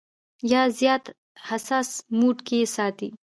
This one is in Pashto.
يا زيات حساس موډ کښې ساتي -